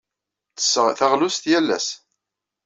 Ttesseɣ taɣlust yal ass.